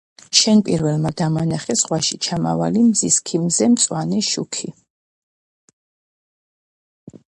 მან პირველმა დამანახა ზღვაში ჩამავალი მზის ქიმზე მწვანე შუქი.